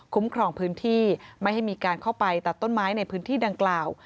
ครองพื้นที่ไม่ให้มีการเข้าไปตัดต้นไม้ในพื้นที่ดังกล่าว